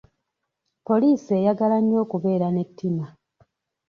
Poliisi eyagala nnyo okubeera n'ettima.